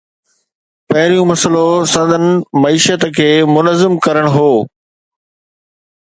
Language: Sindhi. پهريون مسئلو سندن معيشت کي منظم ڪرڻ هو.